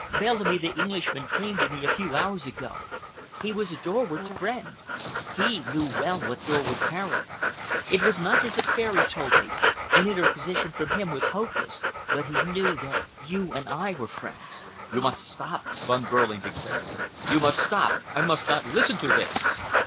Bellamy, the Englishman, came to me a few hours ago. He was Dorward's friend. He knew well what Dorward carried. It was not his affair, he told me, and interposition from him was hopeless, but he knew that you and I were friends." "You must stop!" Von Behrling declared. "You must stop! I must not listen to this!"